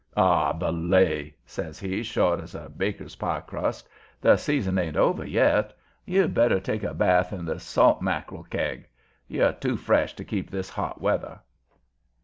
"Aw, belay!" says he, short as baker's pie crust. "The season ain't over yet. You better take a bath in the salt mack'rel kag; you're too fresh to keep this hot weather."